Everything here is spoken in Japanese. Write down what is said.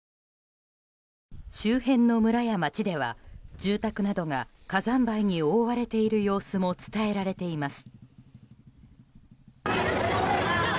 周辺の村や町では住宅などが火山灰に覆われている様子も伝えられています。